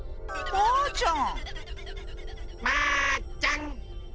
マーちゃん！